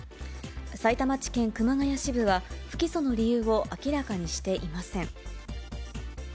さいたま地検熊谷支部は、不起訴の理由を明らかにしていません。